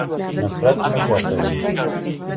نفرت مه زياتوئ.